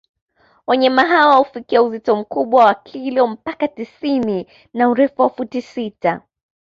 Wanyama hawa hufikia uzito mkubwa wa kilo mpaka tisini na urefu wa futi sita